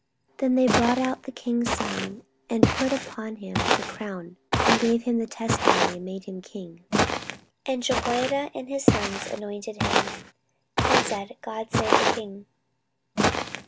14:023:011 Then they brought out the king's son, and put upon him the crown, and gave him the testimony, and made him king. And Jehoiada and his sons anointed him, and said, God save the king.